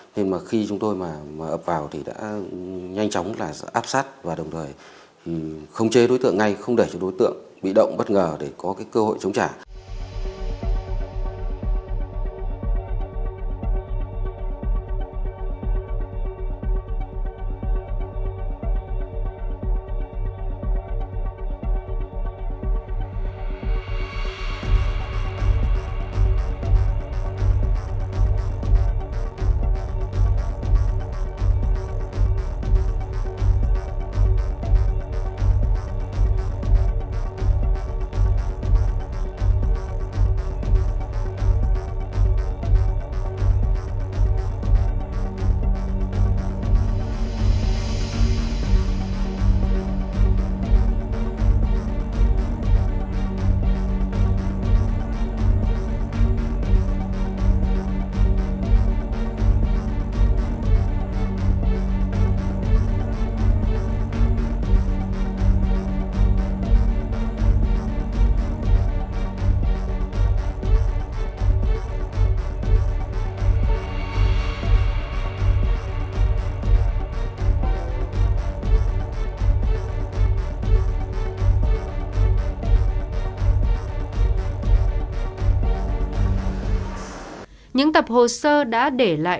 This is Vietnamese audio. thế mà khi chúng tôi mà ập vào thì đã nhanh chóng là áp sát và đồng thời không chế đối tượng ngay không để cho đối tượng bị động bất ngờ để có cái cơ hội chống trả